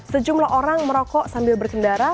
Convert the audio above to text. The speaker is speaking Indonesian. sejumlah orang merokok sambil berkendara